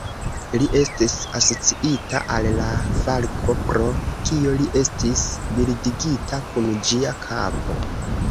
Li estis asociita al la falko, pro kio li estis bildigita kun ĝia kapo.